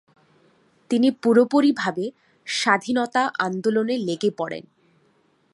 তিনি পুরোপুরিভাবে স্বাধীনতা আন্দোলনে লেগে পড়েন ।